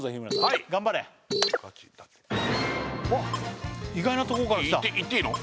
はいガチダテわっ意外なとこからきたいっていいの？